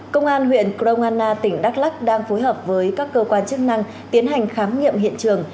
công an huyện krong anna tỉnh đắk lắc đang phối hợp với các cơ quan chức năng tiến hành khám nghiệm hiện trường